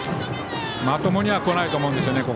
まともにはこないと思うんです。